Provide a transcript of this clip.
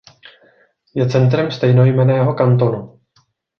Je centrem stejnojmenného kantonu.